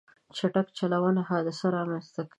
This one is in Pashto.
چټک چلوونه حادثه رامنځته کوي.